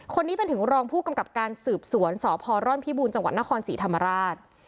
คนนี้เป็นถึงรองผู้กำกับการสืบสวนสพร่อนพิบูรจังหวัดนครศรีธรรมราช